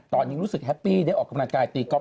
ตอนนี้รู้สึกแฮปปี้ได้ออกกำลังกายตีก๊อป